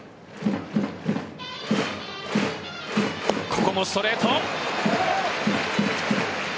ここもストレート。